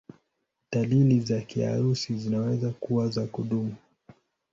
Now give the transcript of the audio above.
Dalili za kiharusi zinaweza kuwa za kudumu.